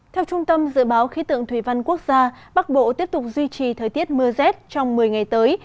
theo trung tâm dự báo khí tượng thủy văn quốc gia bắc bộ tiếp tục duy trì thời tiết mưa rét trong một mươi ngày tới